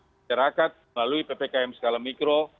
masyarakat melalui ppkm skala mikro